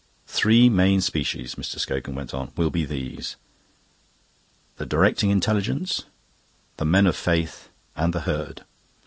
"The three main species," Mr. Scogan went on, "will be these: the Directing Intelligences, the Men of Faith, and the Herd.